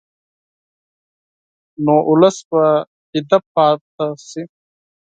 نو ولس به ویده پاتې شي.